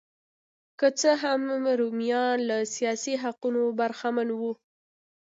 که څه هم رومیان له سیاسي حقونو برخمن وو